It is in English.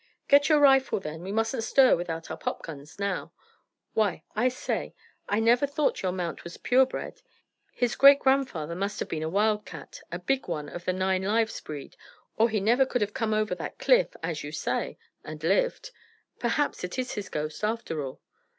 "Get your rifle then; we mustn't stir without our popguns now. Why, I say, I never thought your mount was pure bred. His great grandfather must have been a wildcat, a big one of the nine lives breed, or he never could have come over that cliff, as you say, and lived. Perhaps it is his ghost, after all."